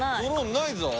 ないぞ。